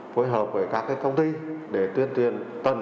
phối hợp với các công ty để tuyên tuyên